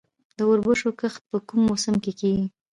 د وربشو کښت په کوم موسم کې کیږي؟